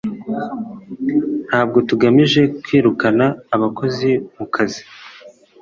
ntabwo tugamije kwirukana abakozi mu kazi,